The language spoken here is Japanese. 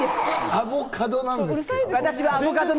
アボカドなんですけど。